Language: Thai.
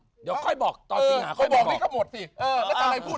เดี๋ยวค่อยบอกตอนสิงหาค่อยบอกค่อยบอกนี้ก็หมดสิเออแล้วตอนนี้พูด